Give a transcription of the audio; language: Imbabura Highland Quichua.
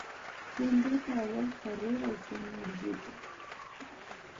Puchata awashpa ruray kunukllita